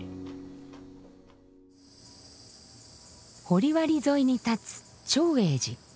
掘割沿いに立つ長栄寺。